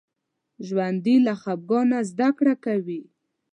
ژوندي له خفګانه زده کړه کوي